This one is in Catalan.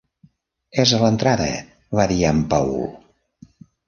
"És a l'entrada", va dir en Paul.